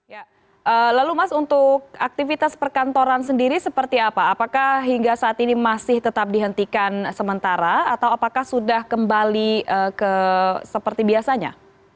ya lalu mas untuk aktivitas perkantoran sendiri seperti apa apakah hingga saat ini masih tetap dihentikan sementara atau apakah sudah kembali seperti biasanya